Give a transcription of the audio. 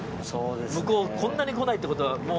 向こうこんなに来ないってことはもう。